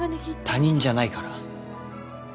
他人じゃないから